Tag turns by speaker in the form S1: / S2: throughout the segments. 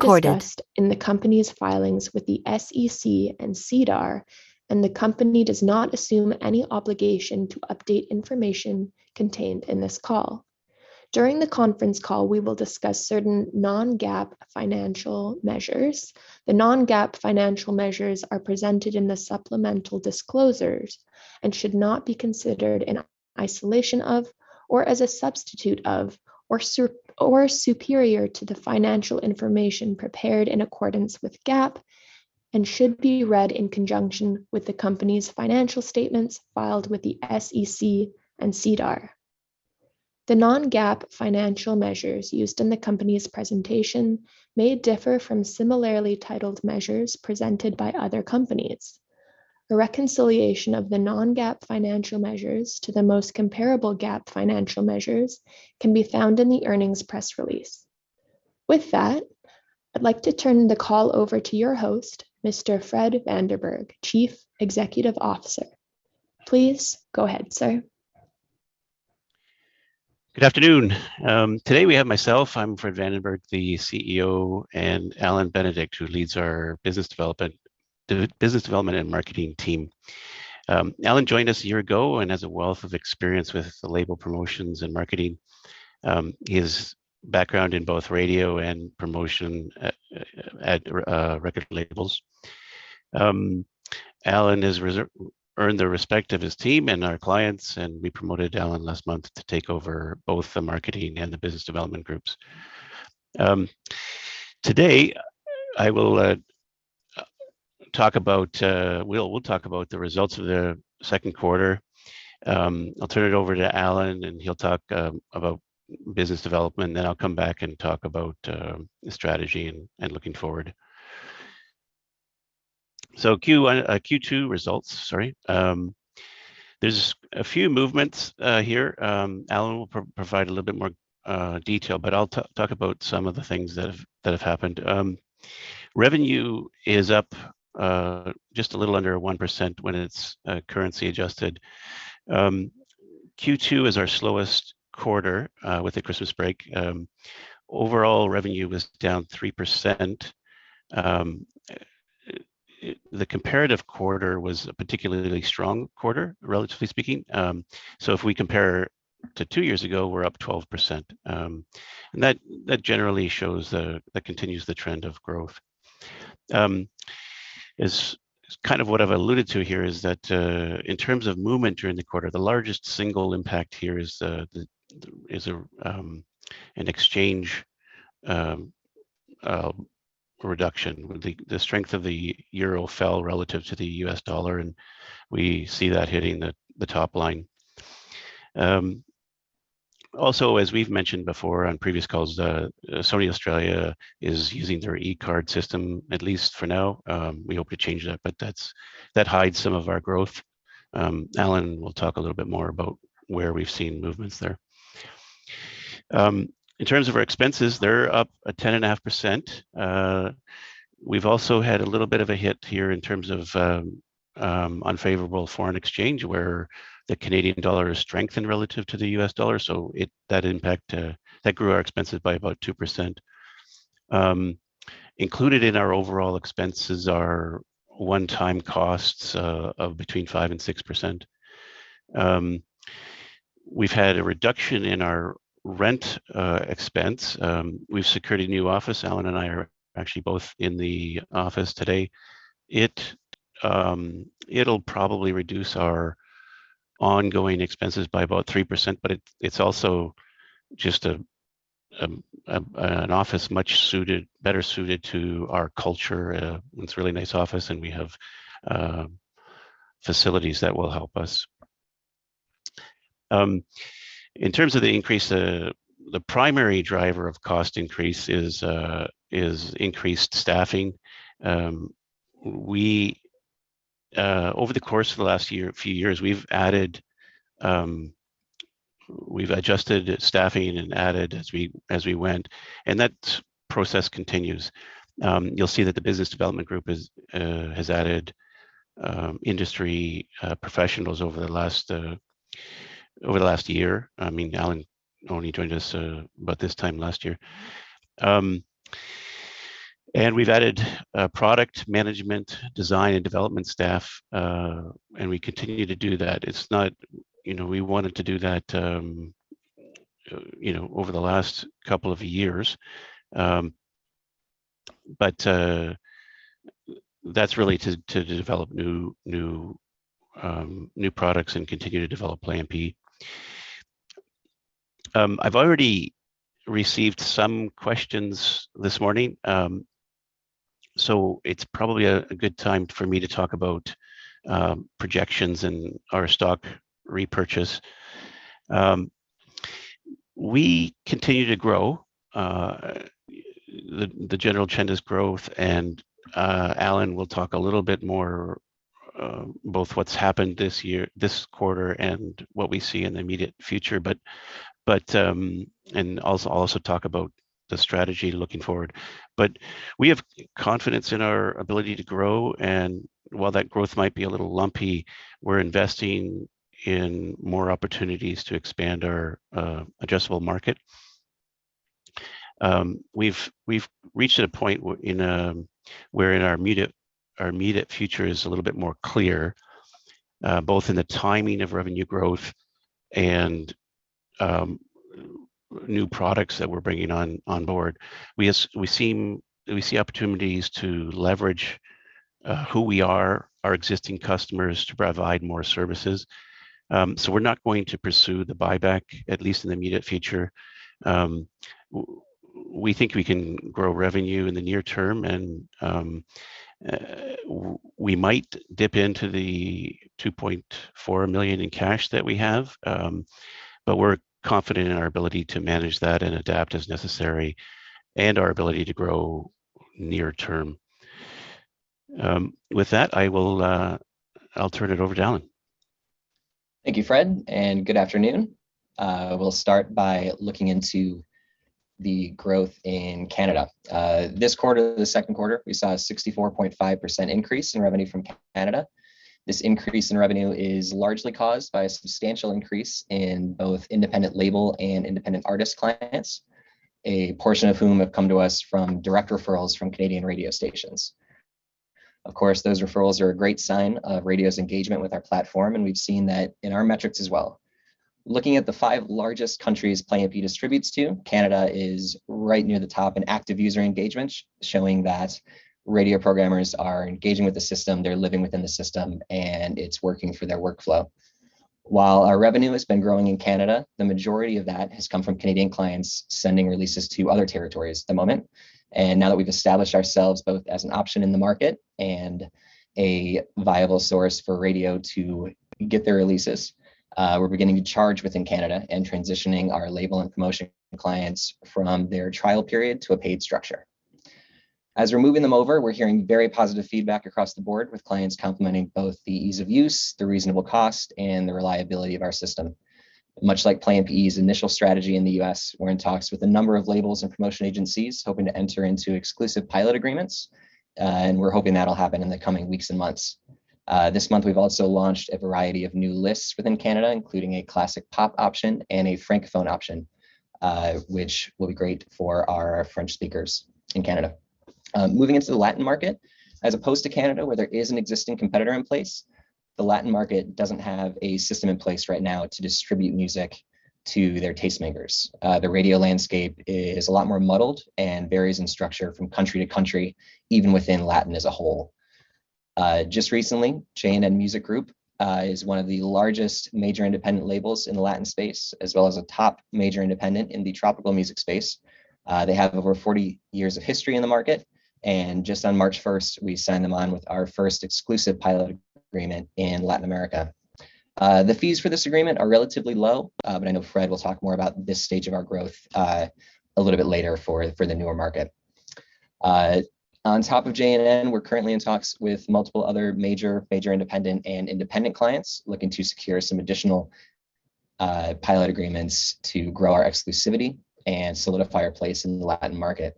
S1: Discussed in the company's filings with the SEC and SEDAR, and the company does not assume any obligation to update information contained in this call. During the conference call, we will discuss certain non-GAAP financial measures. The non-GAAP financial measures are presented in the supplemental disclosures and should not be considered in isolation or as a substitute for or superior to the financial information prepared in accordance with GAAP and should be read in conjunction with the company's financial statements filed with the SEC and SEDAR. The non-GAAP financial measures used in the company's presentation may differ from similarly titled measures presented by other companies. A reconciliation of the non-GAAP financial measures to the most comparable GAAP financial measures can be found in the earnings press release. With that, I'd like to turn the call over to your host, Mr. Fred Vandenberg, Chief Executive Officer. Please go ahead, sir.
S2: Good afternoon. Today we have myself, I'm Fred Vandenberg, the CEO, and Allan Benedict, who leads our business development and marketing team. Allan joined us a year ago and has a wealth of experience with the label promotions and marketing, his background in both radio and promotion at record labels. Allan has earned the respect of his team and our clients, and we promoted Allan last month to take over both the marketing and the business development groups. Today we'll talk about the results of the second quarter. I'll turn it over to Allan, and he'll talk about business development. Then I'll come back and talk about the strategy and looking forward. Q2 results. There's a few movements here. Allan will provide a little bit more detail, but I'll talk about some of the things that have happened. Revenue is up just a little under 1% when it's currency adjusted. Q2 is our slowest quarter with the Christmas break. Overall revenue was down 3%. The comparative quarter was a particularly strong quarter, relatively speaking. If we compare to 2 years ago, we're up 12%. That generally shows that continues the trend of growth. That is kind of what I've alluded to here, that in terms of movement during the quarter, the largest single impact here is an exchange reduction. The strength of the euro fell relative to the US dollar, and we see that hitting the top line. Also, as we've mentioned before on previous calls, Sony Music Australia is using their eCard system, at least for now. We hope to change that, but that hides some of our growth. Allan will talk a little bit more about where we've seen movements there. In terms of our expenses, they're up 10.5%. We've also had a little bit of a hit here in terms of unfavorable foreign exchange, where the Canadian dollar has strengthened relative to the US dollar, so that impact that grew our expenses by about 2%. Included in our overall expenses are one-time costs of between 5% and 6%. We've had a reduction in our rent expense. We've secured a new office. Allan and I are actually both in the office today. It'll probably reduce our ongoing expenses by about 3%, but it's also just an office better suited to our culture. It's a really nice office, and we have facilities that will help us. In terms of the increase, the primary driver of cost increase is increased staffing. Over the course of the last few years, we've adjusted staffing and added as we went, and that process continues. You'll see that the Business Development group has added industry professionals over the last year. I mean, Allan only joined us about this time last year. We've added product management, design, and development staff, and we continue to do that. It's not, you know, we wanted to do that over the last couple of years. That's really to develop new products and continue to develop Play MPE. I've already received some questions this morning, so it's probably a good time for me to talk about projections and our stock repurchase. We continue to grow. The general trend is growth, and Allan will talk a little bit more, both about what's happened this year, this quarter, and what we see in the immediate future, and also about the strategy looking forward. We have confidence in our ability to grow, and while that growth might be a little lumpy, we're investing in more opportunities to expand our addressable market. We've reached a point where our immediate future is a little bit more clear, both in the timing of revenue growth and new products that we're bringing on board. We see opportunities to leverage who we are, our existing customers, to provide more services. We're not going to pursue the buyback, at least in the immediate future. We think we can grow revenue in the near term and we might dip into the $2.4 million in cash that we have, but we're confident in our ability to manage that and adapt as necessary and our ability to grow near term. With that, I'll turn it over to Allan.
S3: Thank you, Fred, and good afternoon. We'll start by looking into the growth in Canada. This quarter, the second quarter, we saw a 64.5% increase in revenue from Canada. This increase in revenue is largely caused by a substantial increase in both independent label and independent artist clients, a portion of whom have come to us from direct referrals from Canadian radio stations. Of course, those referrals are a great sign of radio's engagement with our platform, and we've seen that in our metrics as well. Looking at the five largest countries Play MPE distributes to, Canada is right near the top in active user engagement, showing that radio programmers are engaging with the system, they're living within the system, and it's working for their workflow. While our revenue has been growing in Canada, the majority of that has come from Canadian clients sending releases to other territories at the moment. Now that we've established ourselves both as an option in the market and a viable source for radio to get their releases, we're beginning to charge within Canada and transitioning our label and promotion clients from their trial period to a paid structure. As we're moving them over, we're hearing very positive feedback across the board with clients complimenting both the ease of use, the reasonable cost, and the reliability of our system. Much like Play MPE's initial strategy in the U.S., we're in talks with a number of labels and promotion agencies hoping to enter into exclusive pilot agreements, and we're hoping that'll happen in the coming weeks and months. This month, we've also launched a variety of new lists within Canada, including a classic pop option and a Francophone option, which will be great for our French speakers in Canada. Moving into the Latin market, as opposed to Canada, where there is an existing competitor in place, the Latin market doesn't have a system in place right now to distribute music to their tastemakers. The radio landscape is a lot more muddled and varies in structure from country to country, even within Latin as a whole. Just recently, JN Music Group is one of the largest major independent labels in the Latin space, as well as a top major independent in the tropical music space. They have over 40 years of history in the market, and just on March first, we signed them on with our first exclusive pilot agreement in Latin America. The fees for this agreement are relatively low, but I know Fred will talk more about this stage of our growth, a little bit later for the newer market. On top of J&N, we're currently in talks with multiple other major independent clients looking to secure some additional pilot agreements to grow our exclusivity and solidify our place in the Latin market.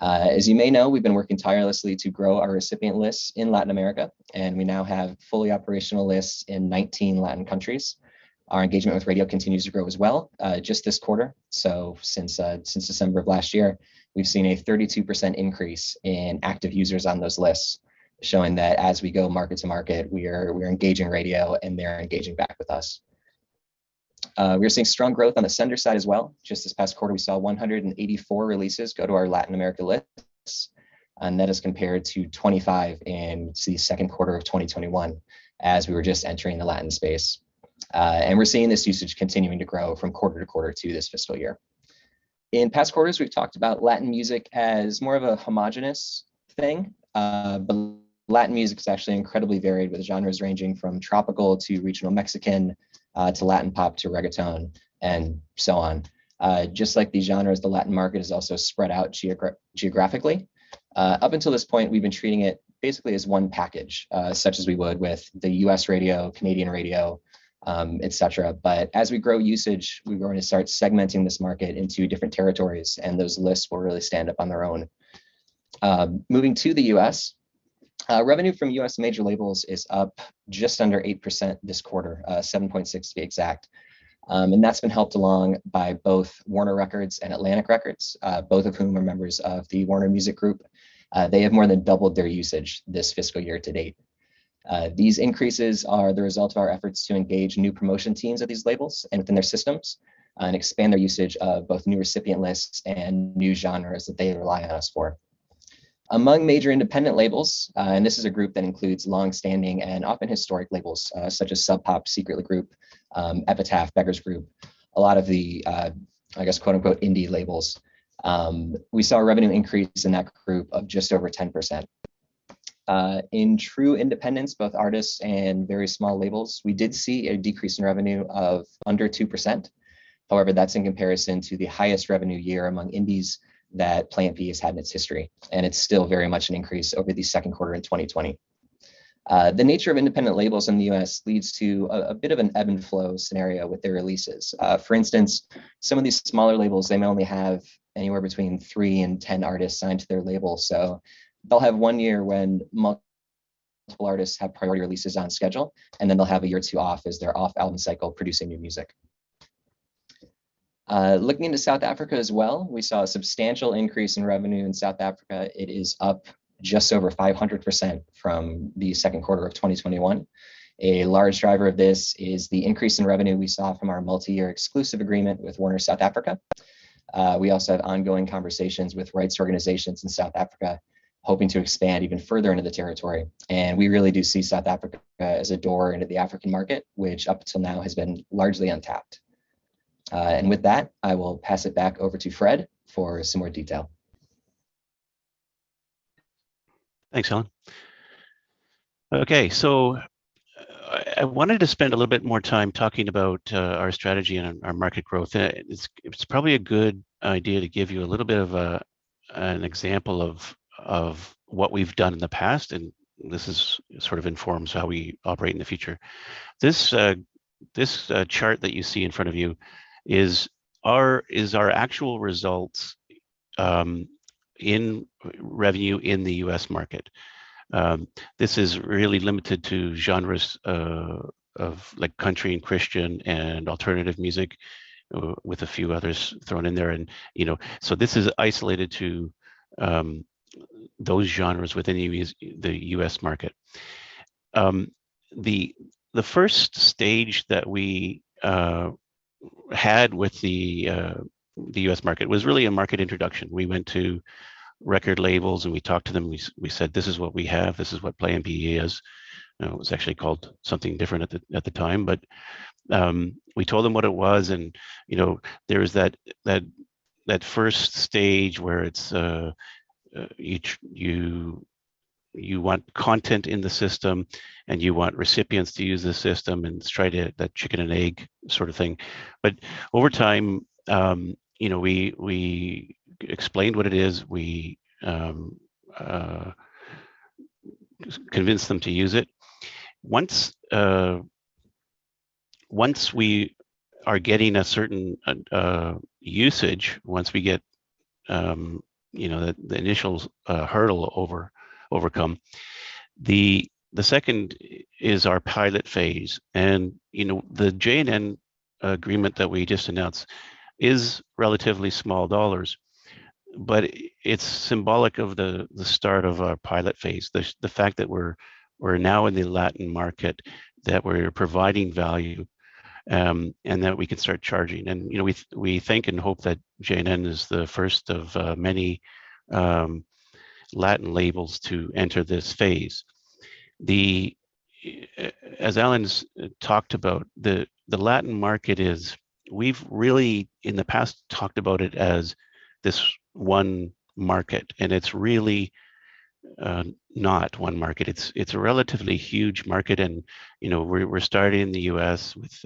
S3: As you may know, we've been working tirelessly to grow our recipient lists in Latin America, and we now have fully operational lists in 19 Latin countries. Our engagement with radio continues to grow as well, just this quarter. Since December of last year, we've seen a 32% increase in active users on those lists, showing that as we go market to market, we're engaging radio and they're engaging back with us. We are seeing strong growth on the sender side as well. Just this past quarter, we saw 184 releases go to our Latin America lists, and that is compared to 25 in the second quarter of 2021 as we were just entering the Latin space. We're seeing this usage continuing to grow from quarter to quarter to this fiscal year. In past quarters, we've talked about Latin music as more of a homogeneous thing. Latin music is actually incredibly varied with genres ranging from tropical to regional Mexican, to Latin pop to reggaeton and so on. Just like these genres, the Latin market is also spread out geographically. Up until this point, we've been treating it basically as one package, such as we would with the U.S. radio, Canadian radio, et cetera. As we grow usage, we are going to start segmenting this market into different territories, and those lists will really stand up on their own. Moving to the U.S., revenue from U.S. major labels is up just under 8% this quarter, 7.6% to be exact. That's been helped along by both Warner Records and Atlantic Records, both of whom are members of the Warner Music Group. They have more than doubled their usage this fiscal year to date. These increases are the result of our efforts to engage new promotion teams at these labels and within their systems and expand their usage of both new recipient lists and new genres that they rely on us for. Among major independent labels, and this is a group that includes longstanding and often historic labels, such as Sub Pop, Secretly Group, Epitaph, Beggars Group, a lot of the, I guess, quote, unquote, "indie labels", we saw a revenue increase in that group of just over 10%. In true independence, both artists and very small labels, we did see a decrease in revenue of under 2%. However, that's in comparison to the highest revenue year among indies that Play MPE has had in its history, and it's still very much an increase over the second quarter in 2020. The nature of independent labels in the U.S. leads to a bit of an ebb and flow scenario with their releases. For instance, some of these smaller labels, they may only have anywhere between 3 and 10 artists signed to their label. They'll have one year when multiple artists have priority releases on schedule, and then they'll have a year or two off as they're off album cycle producing new music. Looking into South Africa as well, we saw a substantial increase in revenue in South Africa. It is up just over 500% from the second quarter of 2021. A large driver of this is the increase in revenue we saw from our multi-year exclusive agreement with Warner Music South Africa. We also have ongoing conversations with rights organizations in South Africa hoping to expand even further into the territory. We really do see South Africa as a door into the African market, which up till now has been largely untapped. With that, I will pass it back over to Fred for some more detail.
S2: Thanks, Allan. Okay. I wanted to spend a little bit more time talking about our strategy and our market growth. It's probably a good idea to give you a little bit of an example of what we've done in the past, and this sort of informs how we operate in the future. This chart that you see in front of you is our actual results in revenue in the U.S. market. This is really limited to genres of like country and Christian and alternative music with a few others thrown in there and, you know. This is isolated to those genres within the U.S. market. The first stage that we had with the U.S. market was really a market introduction. We went to record labels, and we talked to them. We said, "This is what we have. This is what Play MPE is." It was actually called something different at the time. We told them what it was and, you know, there is that first stage where you want content in the system, and you want recipients to use the system and try to that chicken and egg sort of thing. Over time, you know, we explained what it is. We convinced them to use it. Once we are getting a certain usage, once we get, you know, the initial hurdle overcome, the second is our pilot phase. You know, the J&N agreement that we just announced is relatively small dollars, but it's symbolic of the start of our pilot phase. The fact that we're now in the Latin market, that we're providing value, and that we can start charging. You know, we think and hope that J&N is the first of many Latin labels to enter this phase. As Allan's talked about, the Latin market is. We've really in the past talked about it as this one market, and it's really not one market. It's a relatively huge market and, you know, we're starting in the U.S. with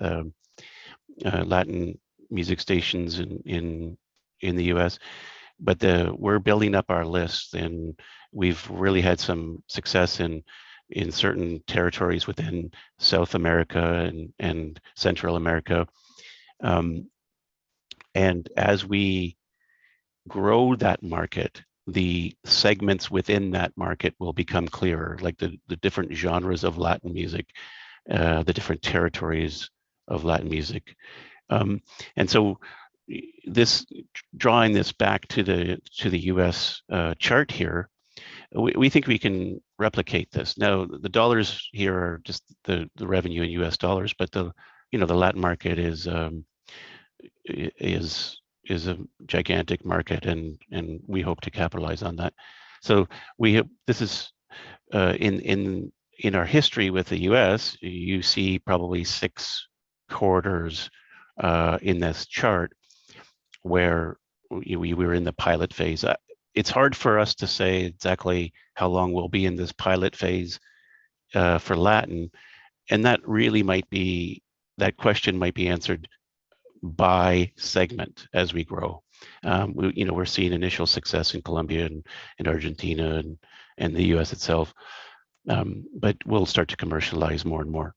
S2: Latin music stations in the U.S. We're building up our list, and we've really had some success in certain territories within South America and Central America. As we grow that market, the segments within that market will become clearer, like the different genres of Latin music, the different territories of Latin music. Drawing this back to the U.S. chart here, we think we can replicate this. Now, the dollars here are just the revenue in U.S. dollars, but you know, the Latin market is a gigantic market and we hope to capitalize on that. This is in our history with the U.S., you see probably six quarters in this chart where we were in the pilot phase. It's hard for us to say exactly how long we'll be in this pilot phase for Latin, and that question might be answered by segment as we grow. We, you know, we're seeing initial success in Colombia and Argentina and the U.S. itself. We'll start to commercialize more and more.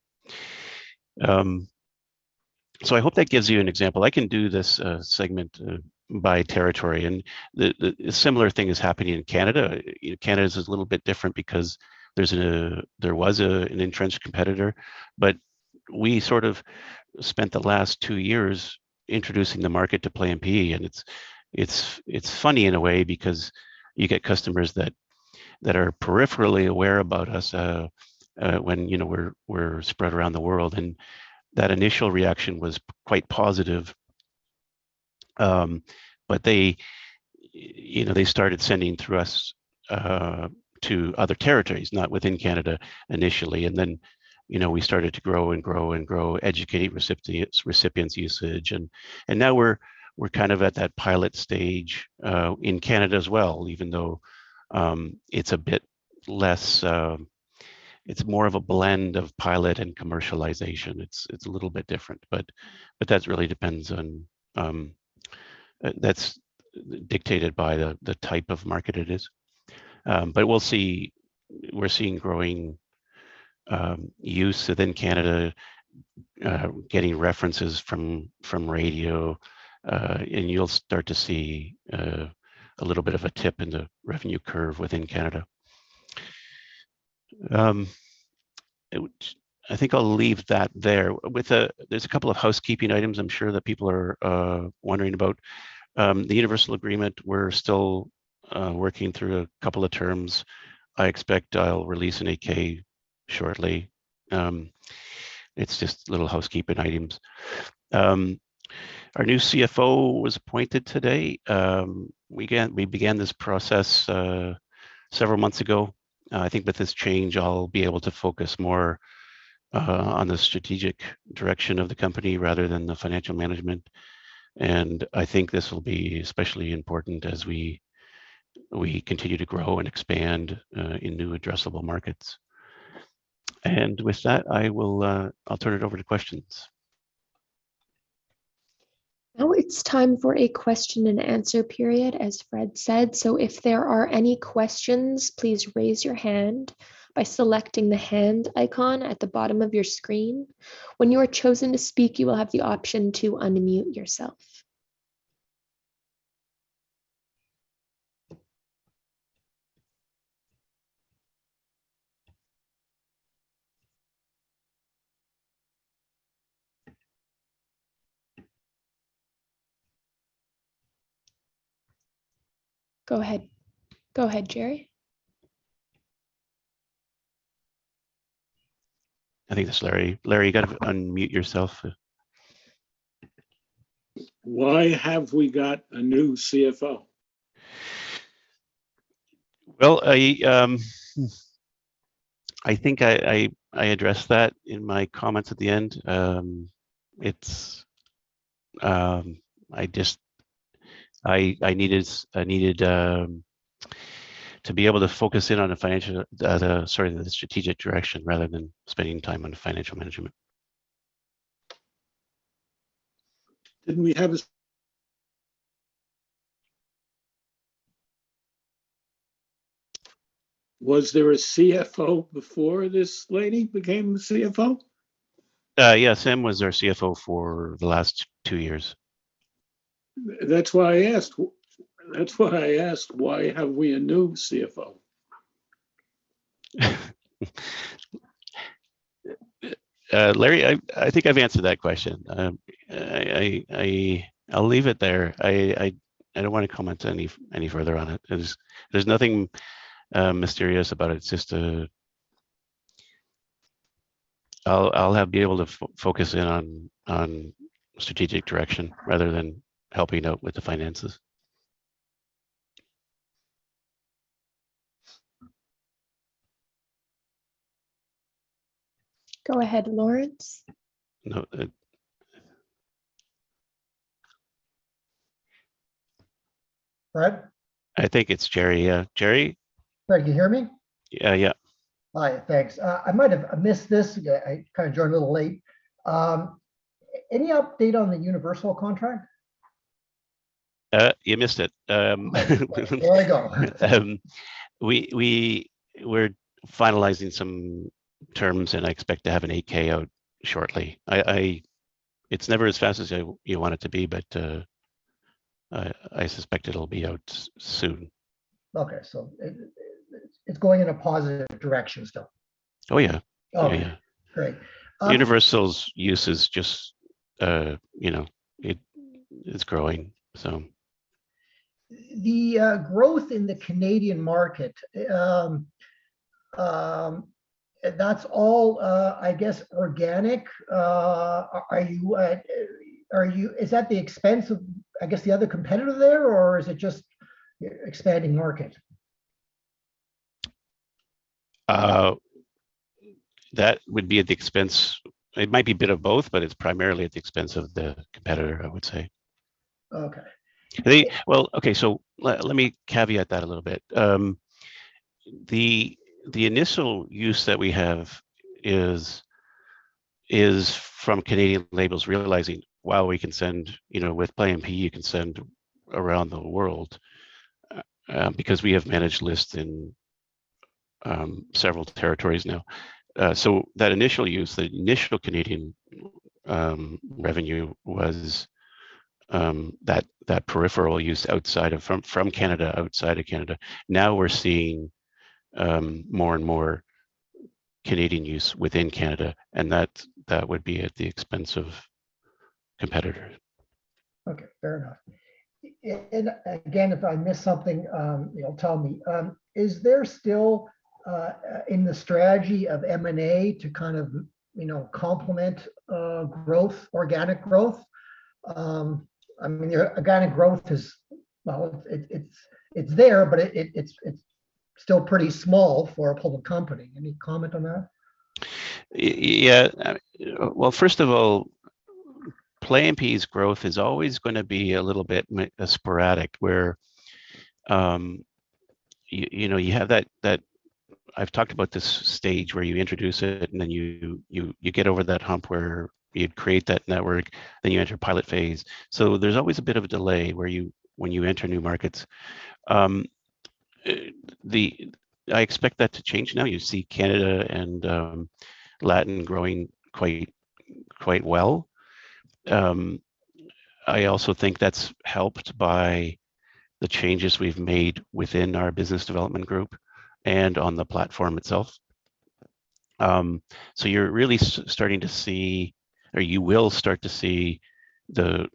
S2: I hope that gives you an example. I can do this segment by territory and the similar thing is happening in Canada. You know, Canada's is a little bit different because there was an entrenched competitor. We sort of spent the last two years introducing the market to Play MPE, and it's funny in a way because you get customers that are peripherally aware about us when, you know, we're spread around the world. That initial reaction was quite positive. But they, you know, they started sending through us to other territories, not within Canada initially. Then, you know, we started to grow and grow and grow, educate recipients' usage and now we're kind of at that pilot stage in Canada as well, even though it's a bit less. It's more of a blend of pilot and commercialization. It's a little bit different, but that really depends on that's dictated by the type of market it is. But we'll see. We're seeing growing use within Canada. Getting references from radio, and you'll start to see a little bit of a tip in the revenue curve within Canada. I think I'll leave that there. With the There's a couple of housekeeping items I'm sure that people are wondering about. The Universal agreement, we're still working through a couple of terms. I expect I'll release an 8-K shortly. It's just little housekeeping items. Our new CFO was appointed today. We began this process several months ago. I think with this change, I'll be able to focus more on the strategic direction of the company rather than the financial management. I think this will be especially important as we continue to grow and expand in new addressable markets. With that, I'll turn it over to questions.
S1: Now it's time for a question and answer period, as Fred said. If there are any questions, please raise your hand by selecting the hand icon at the bottom of your screen. When you are chosen to speak, you will have the option to unmute yourself. Go ahead. Go ahead, Jerry.
S2: I think that's Larry. Larry, you gotta unmute yourself.
S4: Why have we got a new CFO?
S2: Well, I think I addressed that in my comments at the end. I needed to be able to focus in on the financial, sorry, the strategic direction rather than spending time on financial management.
S4: Was there a CFO before this lady became the CFO?
S2: Yeah, Sam was our CFO for the last two years.
S4: That's why I asked, "Why have we a new CFO?
S2: Larry, I think I've answered that question. I'll leave it there. I don't wanna comment any further on it. There's nothing mysterious about it. It's just, I'll be able to focus in on strategic direction rather than helping out with the finances.
S1: Go ahead, Lawrence.
S2: No, it-
S5: Fred?
S2: I think it's Jerry. Yeah. Jerry?
S5: Fred, can you hear me?
S2: Yeah, yeah.
S5: All right, thanks. I might have missed this. Again, I kinda joined a little late. Any update on the Universal contract?
S2: You missed it.
S5: There we go.
S2: We're finalizing some terms, and I expect to have an 8-K out shortly. It's never as fast as you want it to be, but I suspect it'll be out soon.
S5: Okay. It's going in a positive direction still?
S2: Oh, yeah.
S5: Oh.
S2: Oh, yeah.
S5: Great.
S2: Universal's use is just, you know, it is growing, so.
S5: The growth in the Canadian market, that's all, I guess, organic. Is that at the expense of, I guess, the other competitor there, or is it just an expanding market?
S2: That would be at the expense. It might be a bit of both, but it's primarily at the expense of the competitor, I would say.
S5: Okay.
S2: Well, okay. Let me caveat that a little bit. The initial use that we have is from Canadian labels realizing, wow, we can send. You know, with Play MPE, you can send around the world, because we have managed lists in several territories now. That initial use, the initial Canadian revenue was that peripheral use outside of Canada. Now we're seeing more and more Canadian use within Canada, and that would be at the expense of competitors.
S5: Okay. Fair enough. Again, if I miss something, you know, tell me. Is there still in the strategy of M&A to kind of, you know, complement growth, organic growth? I mean, your organic growth is there, but it's still pretty small for a public company. Any comment on that?
S2: Yeah. Well, first of all, Play MPE's growth is always gonna be a little bit sporadic, where you know, you have that. I've talked about this stage where you introduce it, and then you get over that hump where you'd create that network, then you enter pilot phase. There's always a bit of a delay when you enter new markets. I expect that to change now. You see Canada and Latin growing quite well. I also think that's helped by the changes we've made within our business development group and on the platform itself. You're really starting to see, or you will start to see the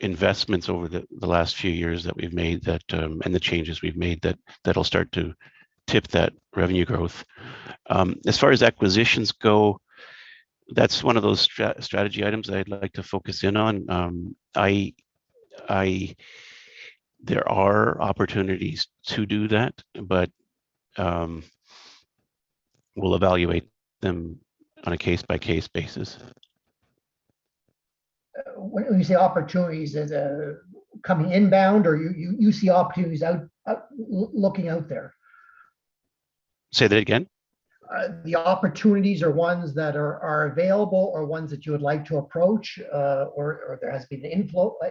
S2: investments over the last few years that we've made and the changes we've made, that'll start to tip that revenue growth. As far as acquisitions go, that's one of those strategy items that I'd like to focus in on. There are opportunities to do that, but we'll evaluate them on a case-by-case basis.
S5: When you say opportunities, is that coming inbound or you see opportunities out looking out there?
S2: Say that again.
S5: The opportunities are ones that are available or ones that you would like to approach, or there has to be an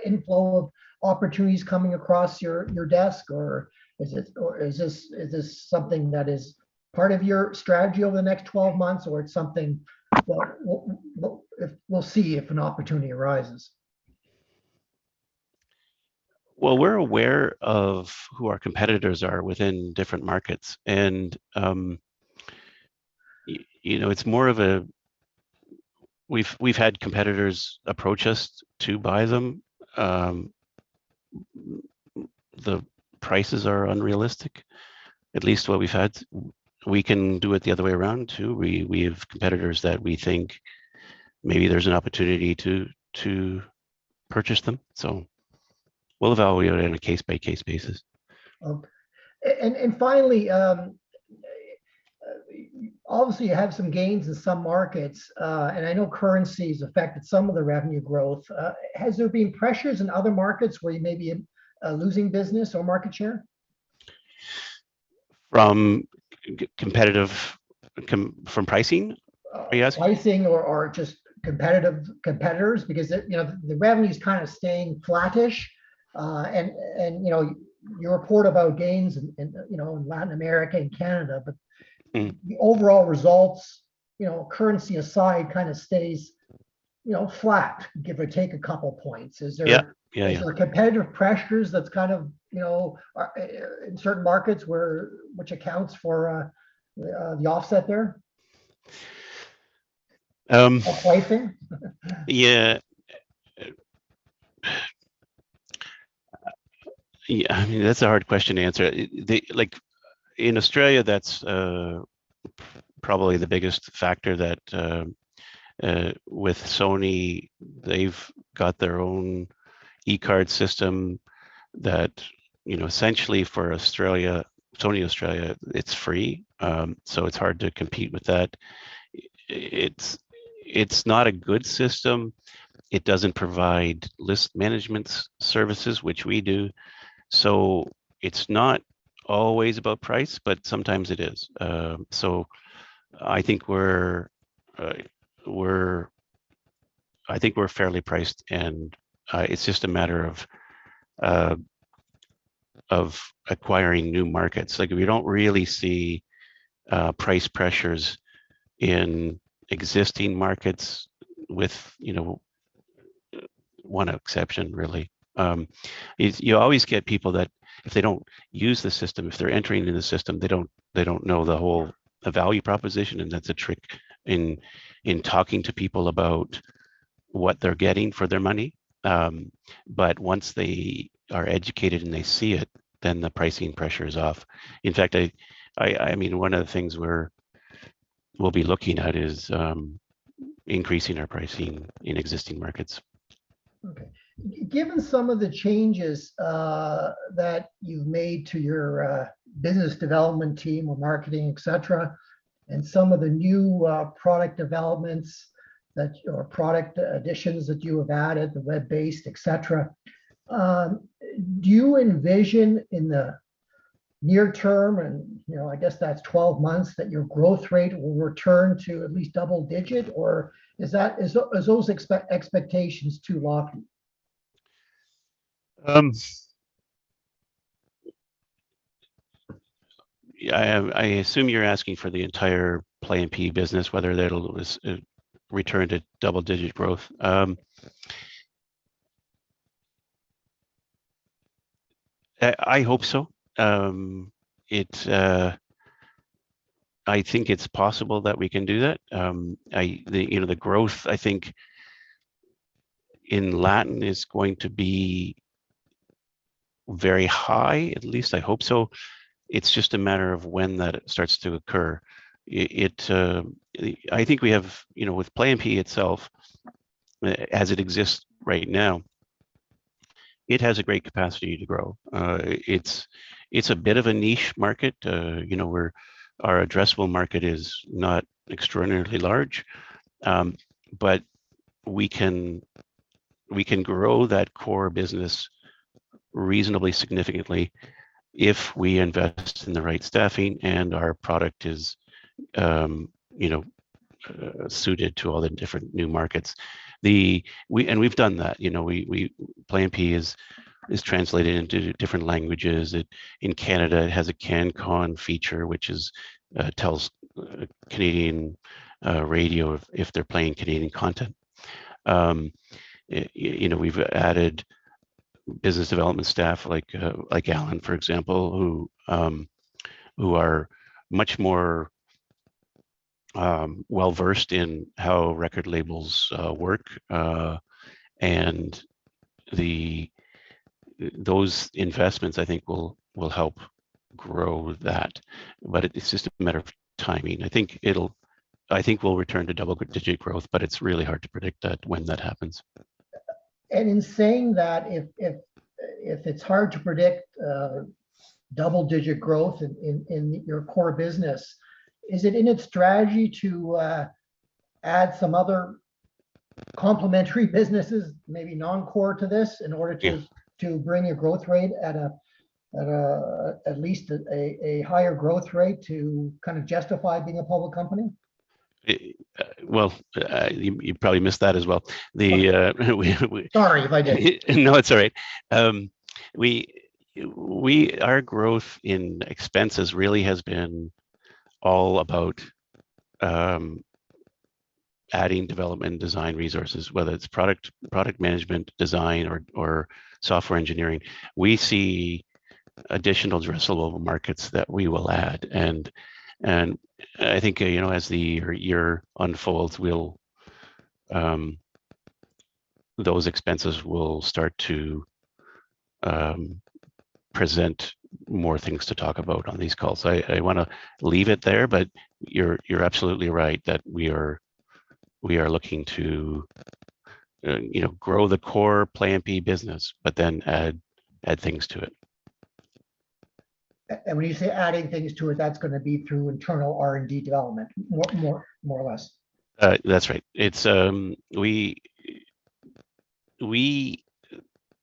S5: inflow of opportunities coming across your desk, or is this something that is part of your strategy over the next 12 months, or it's something what if we'll see if an opportunity arises?
S2: Well, we're aware of who our competitors are within different markets and you know. We've had competitors approach us to buy them. The prices are unrealistic, at least what we've had. We can do it the other way around, too. We have competitors that we think maybe there's an opportunity to purchase them. We'll evaluate it on a case-by-case basis.
S5: Okay. Finally, obviously you have some gains in some markets, and I know currency's affected some of the revenue growth. Has there been pressures in other markets where you may be losing business or market share?
S2: From pricing? Are you asking?
S5: pricing or just competitive competitors because it, you know, the revenue's kind of staying flattish, and you know, you report about gains in you know in Latin America and Canada.
S2: Mm-hmm
S5: The overall results, you know, currency aside, kind of stays, you know, flat, give or take a couple points. Is there
S2: Yeah. Yeah, yeah.
S5: Is there competitive pressures that's kind of, you know, in certain markets where which accounts for the offset there?
S2: Um-
S5: On pricing?
S2: Yeah, I mean, that's a hard question to answer. Like in Australia, that's probably the biggest factor that with Sony, they've got their own eCard system that, you know, essentially for Australia, Sony Australia, it's free. It's hard to compete with that. It's not a good system. It doesn't provide list management services, which we do. It's not always about price, but sometimes it is. I think we're fairly priced, and it's just a matter of acquiring new markets. Like we don't really see price pressures in existing markets with, you know, one exception really. You always get people that if they don't use the system, if they're entering into the system, they don't know the value proposition, and that's a trick in talking to people about what they're getting for their money. Once they are educated and they see it, then the pricing pressure is off. In fact, I mean, one of the things we'll be looking at is increasing our pricing in existing markets.
S5: Okay. Given some of the changes that you've made to your business development team or marketing, et cetera, and some of the new product developments or product additions that you have added, the web-based, et cetera, do you envision in the near term, you know, I guess that's 12 months, that your growth rate will return to at least double-digit? Or is that those expectations too lofty?
S2: Yeah, I assume you're asking for the entire Play MPE business, whether that'll return to double-digit growth. I hope so. I think it's possible that we can do that. You know, the growth I think in Latin is going to be very high, at least I hope so. It's just a matter of when that starts to occur. I think we have, you know, with Play and Pay itself, as it exists right now, it has a great capacity to grow. It's a bit of a niche market, you know, where our addressable market is not extraordinarily large. But we can grow that core business reasonably significantly if we invest in the right staffing and our product is, you know, suited to all the different new markets. We've done that, you know. Plan MPE is translated into different languages. In Canada, it has a CanCon feature, which tells Canadian radio if they're playing Canadian content. You know, we've added business development staff like Alan, for example, who are much more well-versed in how record labels work. Those investments I think will help grow that. It's just a matter of timing. I think we'll return to double digit growth, but it's really hard to predict that, when that happens.
S5: In saying that, if it's hard to predict double-digit growth in your core business, is it in its strategy to add some other complementary businesses, maybe non-core to this, in order to-
S2: Yeah.
S5: to bring your growth rate to at least a higher growth rate to kind of justify being a public company?
S2: Well, you probably missed that as well.
S5: Sorry if I did.
S2: No, it's all right. Our growth in expenses really has been all about adding development and design resources, whether it's product management design or software engineering. We see additional addressable markets that we will add, and I think, you know, as the year unfolds, those expenses will start to present more things to talk about on these calls. I wanna leave it there, but you're absolutely right that we are looking to, you know, grow the core Play MPE business, but then add things to it.
S5: When you say adding things to it, that's gonna be through internal R&D development more or less?
S2: That's right. We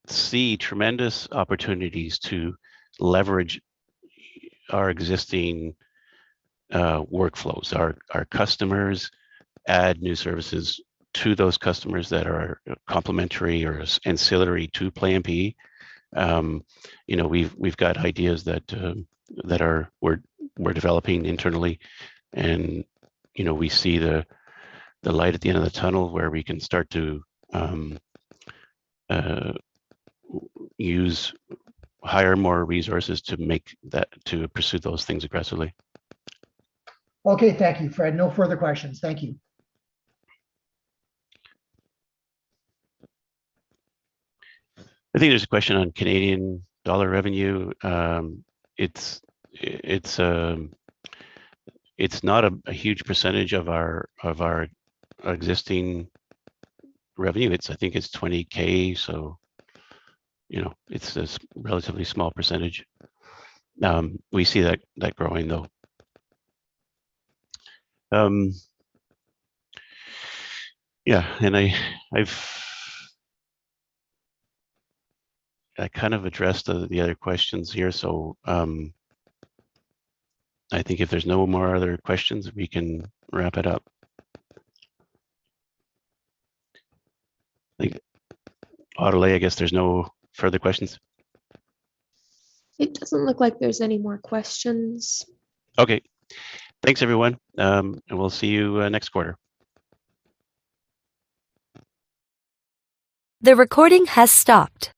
S2: see tremendous opportunities to leverage our existing workflows. Our customers add new services to those customers that are complementary or ancillary to Play MPE. You know, we've got ideas that we're developing internally and, you know, we see the light at the end of the tunnel where we can start to hire more resources to pursue those things aggressively.
S5: Okay. Thank you, Fred. No further questions. Thank you.
S2: I think there's a question on Canadian dollar revenue. It's not a huge percentage of our existing revenue. I think it's 20,000, so you know, it's this relatively small percentage. We see that growing though. Yeah, I've kind of addressed the other questions here, so I think if there's no more other questions, we can wrap it up. I think, Audley, I guess there's no further questions.
S1: It doesn't look like there's any more questions.
S2: Okay. Thanks, everyone, and we'll see you next quarter.
S1: The recording has stopped.